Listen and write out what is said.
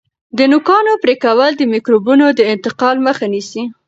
د نوکانو پرې کول د میکروبونو د انتقال مخه نیسي.